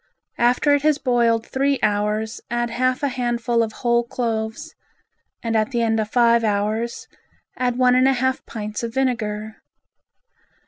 After it has boiled three hours add half a handful of whole cloves and at the end of five hours add one and a half pints of vinegar.